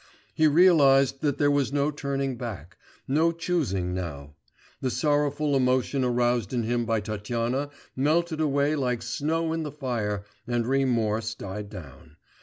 He realised that there was no turning back, no choosing now; the sorrowful emotion aroused in him by Tatyana melted away like snow in the fire, and remorse died down